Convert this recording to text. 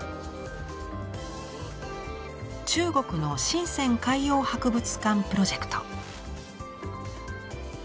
中国の深海洋博物館プロジェクト。